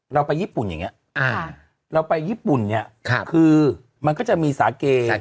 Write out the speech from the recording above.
เราไปญี่ปุ่นอย่างนี้เราไปญี่ปุ่นเนี่ยคือมันก็จะมีสาเก